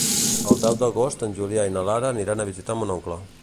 El deu d'agost en Julià i na Lara aniran a visitar mon oncle.